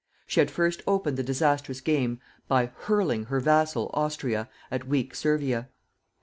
She had first opened the disastrous game by hurling her vassal, Austria, at weak Servia.